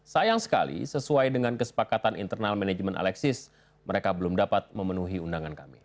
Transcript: sayang sekali sesuai dengan kesepakatan internal manajemen alexis mereka belum dapat memenuhi undangan kami